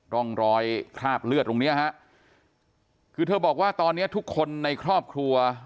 ร่องรอยคราบเลือดตรงเนี้ยฮะคือเธอบอกว่าตอนนี้ทุกคนในครอบครัว